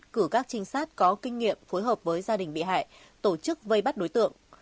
cử các trinh sát có kinh nghiệm phối hợp với gia đình bị hại tổ chức vây bắt đối tượng